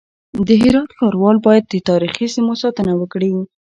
د هرات ښاروال بايد د تاريخي سيمو ساتنه وکړي.